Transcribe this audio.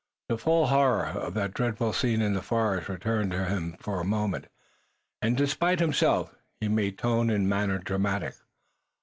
The full horror of that dreadful scene in the forest returned to him for a moment, and, despite himself, he made tone and manner dramatic.